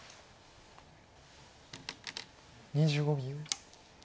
２５秒。